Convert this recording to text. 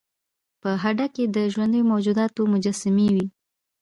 په هډه کې د ژوندیو موجوداتو مجسمې وې